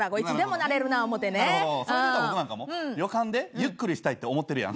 それで言うたら僕なんかも旅館でゆっくりしたいと思ってるやん。